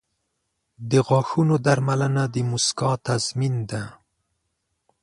• د غاښونو درملنه د مسکا تضمین ده.